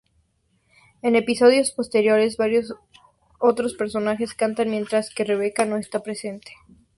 En episodios posteriores, varios otros personajes cantan mientras que Rebecca no está presente.